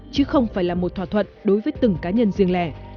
chứ không phải là một thỏa thuận đối với từng cá nhân riêng lẻ